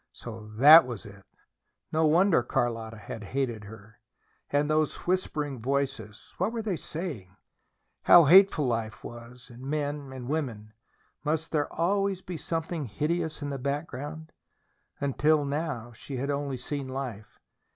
So that was it! No wonder Carlotta had hated her. And those whispering voices! What were they saying? How hateful life was, and men and women. Must there always be something hideous in the background? Until now she had only seen life.